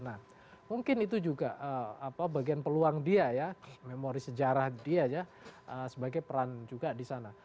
nah mungkin itu juga bagian peluang dia ya memori sejarah dia ya sebagai peran juga di sana